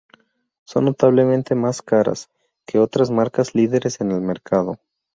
Son notablemente más caras que otras marcas líderes en el mercado.